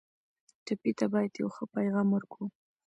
ټپي ته باید یو ښه پیغام ورکړو.